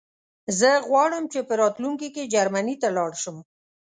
زه غواړم چې په راتلونکي کې جرمنی ته لاړ شم